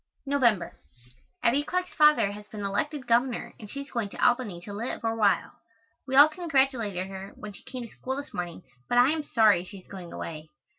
November. Abbie Clark's father has been elected Governor and she is going to Albany to live, for a while. We all congratulated her when she came to school this morning, but I am sorry she is going away.